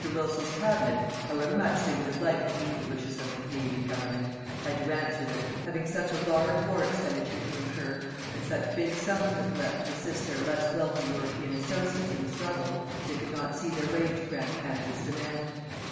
Wilson's cabinet, however much they would have liked to meet the wishes of the Canadian Government, had to answer that, having such a large war expenditure to incur, and such big sums to collect to assist their less wealthy European associates in the struggle, they could not see their way to grant Canada's demand.